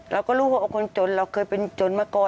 เราก็รู้ว่าคนจนเราเคยเป็นจนมาก่อน